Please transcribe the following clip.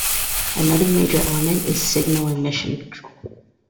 Another major element is signal emission control.